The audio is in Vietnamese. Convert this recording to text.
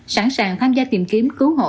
sẵn sàng tham gia tìm kiếm cứu hộ